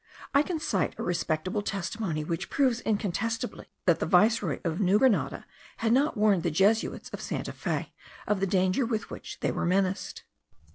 I can cite a respectable testimony, which proves incontestibly, that the viceroy of New Granada had not warned the Jesuits of Santa Fe of the danger with which they were menaced.